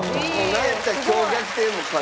なんやったら今日逆転も可能。